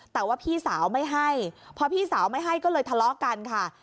แต่ว่าพี่สาวไม่ให้พอพี่สาวไม่ให้ก็เลยทะเลาะกันค่ะ